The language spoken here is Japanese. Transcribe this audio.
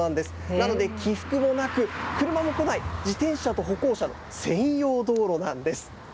なので起伏もなく、車も来ない、自転車と歩行者の専用道路なんです。